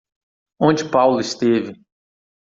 Onde Paulo esteve?